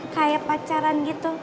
kayak pacaran gitu